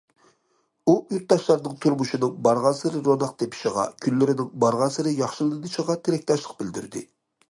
ئۇ يۇرتداشلارنىڭ تۇرمۇشىنىڭ بارغانسېرى روناق تېپىشىغا، كۈنلىرىنىڭ بارغانسېرى ياخشىلىنىشىغا تىلەكداشلىق بىلدۈردى.